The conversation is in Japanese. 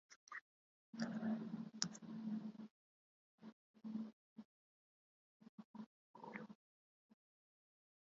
静かなる小春の風が、杉垣の上から出たる梧桐の枝を軽く誘ってばらばらと二三枚の葉が枯菊の茂みに落ちた